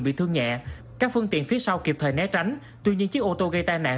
bị thương nhẹ các phương tiện phía sau kịp thời né tránh tuy nhiên chiếc ô tô gây tai nạn